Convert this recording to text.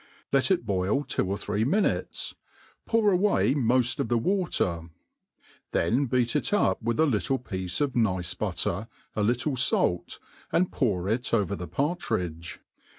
Let it boil two or three minutes^ pour away moil of thewat^r; then beat it up with a little piece of nice butter, a little fait, and pour it over the partridge.